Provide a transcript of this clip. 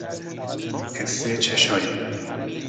حس چشایی